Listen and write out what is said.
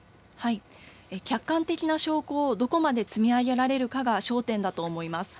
客観的な証拠をどこまで積み上げられるかが焦点だと思います。